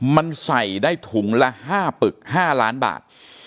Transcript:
มันใส่ได้ถุงละ๕ปึก๕ล้านบาท